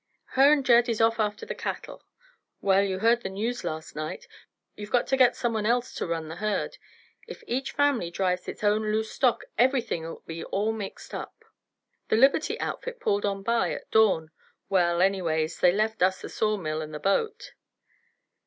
"Her and Jed is off after the cattle. Well, you heard the news last night. You've got to get someone else to run the herd. If each family drives its own loose stock everything'll be all mixed up. The Liberty outfit pulled on by at dawn. Well, anyways they left us the sawmill and the boat.